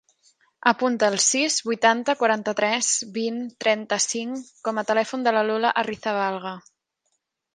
Apunta el sis, vuitanta, quaranta-tres, vint, trenta-cinc com a telèfon de la Lola Arrizabalaga.